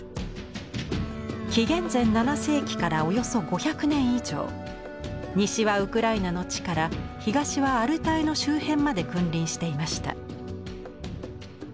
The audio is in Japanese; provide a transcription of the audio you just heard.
紀元前７世紀からおよそ５００年以上西はウクライナの地から東はアルタイの周辺まで君臨していました。